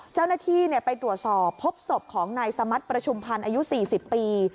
เจ้าหน้าที่ไปตรวจสอบพบศพของนายสมัติประชุมพันธ์อายุ๔๐ปี